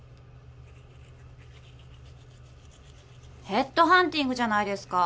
ヘッドハンティングじゃないですか。